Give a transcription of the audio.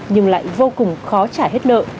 nhưng lại vô cùng khó trả hết nợ